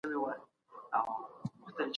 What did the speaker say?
که حضوري تمرين ترسره سي مهارت ژر پياوړی کيږي.